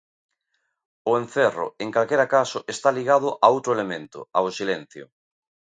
O encerro, en calquera caso, está ligado a outro elemento: ao silencio.